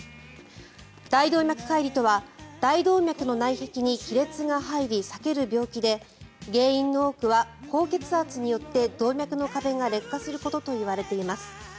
大動脈解離とは大動脈の内壁に亀裂が入り裂ける病気で原因の多くは高血圧によって動脈の壁が劣化することといわれています。